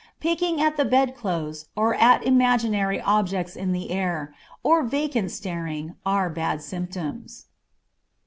Picking at the bedclothes, or at imaginary objects in the air, or vacant staring, are bad symptoms.